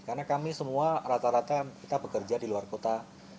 karena kami semua rata rata kita bekerja di luar kota